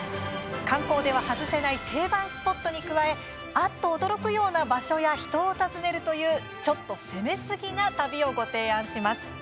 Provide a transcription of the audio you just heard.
観光では外せない定番スポットに加えあっ！と驚くような場所や人を訪ねるという、ちょっと攻めすぎな旅をご提案します。